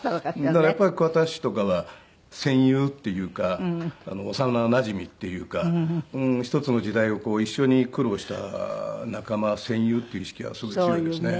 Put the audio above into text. だからやっぱり桑田氏とかは戦友っていうか幼なじみっていうか一つの時代を一緒に苦労した仲間戦友っていう意識がすごい強いですね。